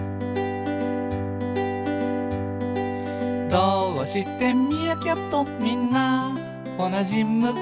「どーうしてミーアキャットみんなおなじ向き？」